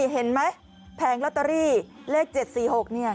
เห็นไหมแผงลอตเตอรี่เลข๗๔๖เนี่ย